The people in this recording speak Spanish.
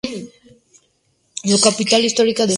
Su capital histórica es Sort.